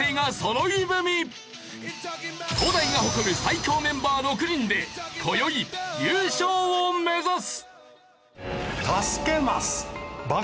東大が誇る最強メンバー６人で今宵優勝を目指す！